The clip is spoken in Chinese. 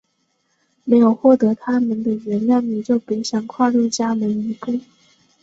没有获得它们的原谅你就别想跨入家门一步！